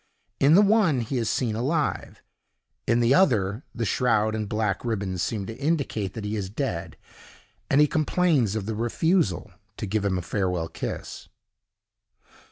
In the one, he is seen alive; in the other, the shroud and black ribands seem to indicate that he is dead, and he complains of the refusal to give him a farewell kiss.